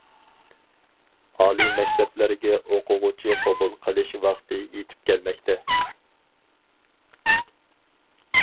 ئالىي مەكتەپلەرگە ئوقۇغۇچى قوبۇل قىلىش ۋاقتى يېتىپ كەلمەكتە.